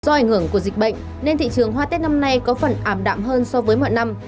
do ảnh hưởng của dịch bệnh nên thị trường hoa tết năm nay có phần ảm đạm hơn so với mọi năm